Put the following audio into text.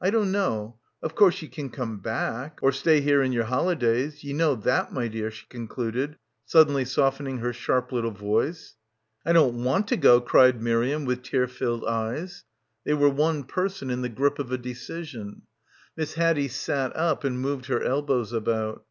I don't know. Of course ye can come back — or stay here in yer holidays. Ye know that) my dear," she concluded, suddenly softening her sharp little voice. "I don't want to go," cried Miriam with tear filled eyes. They were one person in the grip of a decision. Miss Haddie sat up and moved her elbows about.